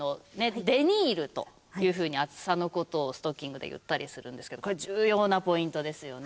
デニールという風に厚さの事をストッキングで言ったりするんですけどこれ重要なポイントですよね。